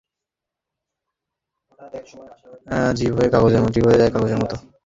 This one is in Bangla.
জিভ হয়ে যায় কাগজের মতো।